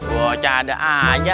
woh cadanya aja